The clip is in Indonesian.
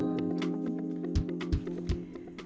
jadi kita dibantu